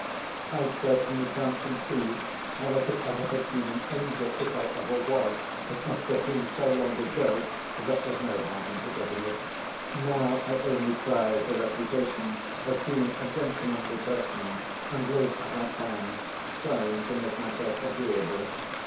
I certainly can't conceive how I can ever have been an angel. If I ever was, it must have been so long ago that there's no harm in forgetting it. Now I only prize the reputation of being a gentlemanly person and live as I can, trying to make myself agreeable.